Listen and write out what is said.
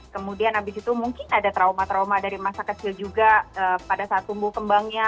kemudian abis itu mungkin ada trauma trauma dari masa kecil juga pada saat tumbuh kembangnya